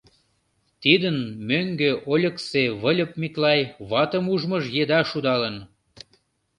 Тидын мӧҥгӧ Ольыксе Выльып Миклай ватым ужмыж еда шудалын.